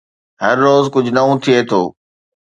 هر روز ڪجهه نئون ٿئي ٿو